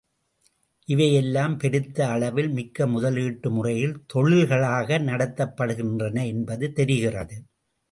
இவை எல்லாம் பெருத்த அளவில் மிக்க முதலீட்டு முறையில் தொழில்களாக நடத்தப்படுகின்றன என்பது தெரிகிறது.